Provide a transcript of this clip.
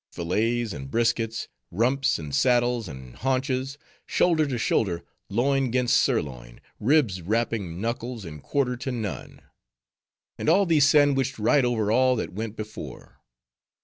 —fillets and briskets, rumps, and saddles, and haunches; shoulder to shoulder, loin 'gainst sirloin, ribs rapping knuckles, and quarter to none. And all these sandwiched right over all that went before.